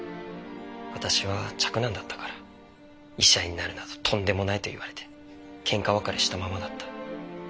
私は嫡男だったから医者になるなどとんでもないと言われてけんか別れしたままだった。